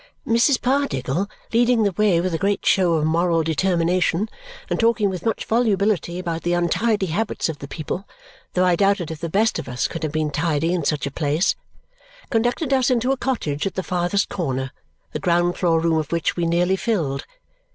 Mrs. Pardiggle, leading the way with a great show of moral determination and talking with much volubility about the untidy habits of the people (though I doubted if the best of us could have been tidy in such a place), conducted us into a cottage at the farthest corner, the ground floor room of which we nearly filled.